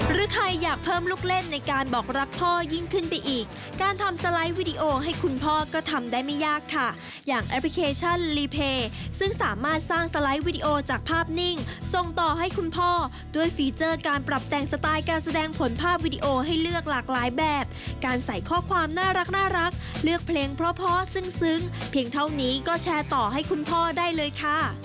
หรือใครอยากเพิ่มลูกเล่นในการบอกรักพ่อยิ่งขึ้นไปอีกการทำสไลด์วิดีโอให้คุณพ่อก็ทำได้ไม่ยากค่ะอย่างแอปพลิเคชันรีเพย์ซึ่งสามารถสร้างสไลด์วิดีโอจากภาพนิ่งส่งต่อให้คุณพ่อด้วยฟีเจอร์การปรับแต่งสไตล์การแสดงผลภาพวิดีโอให้เลือกหลากหลายแบบการใส่ข้อความน่ารักเลือกเพล